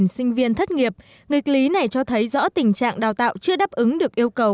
hai trăm hai mươi năm sinh viên thất nghiệp ngực lý này cho thấy rõ tình trạng đào tạo chưa đáp ứng được yêu cầu